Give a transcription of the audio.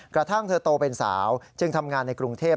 กระทั่งเธอโตเป็นสาวจึงทำงานในกรุงเทพ